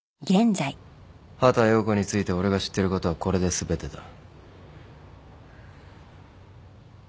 畑葉子について俺が知ってることはこれで全てだ。